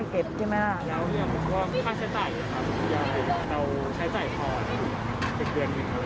ยาวนี้ก็ค่าใช้จ่ายค่ะยาวเด็ก